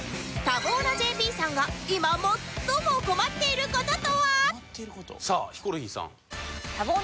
多忙なＪＰさんが今最も困っている事とは？